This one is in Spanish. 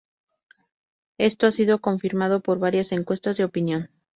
Esto ha sido confirmado por varias encuestas de opinión.